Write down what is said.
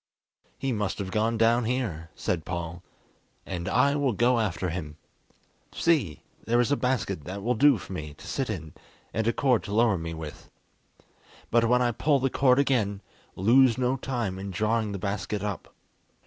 "He must have gone down here," said Paul, "and I will go after him. See! there is a basket that will do for me to sit in, and a cord to lower me with. But when I pull the cord again, lose no time in drawing the basket up."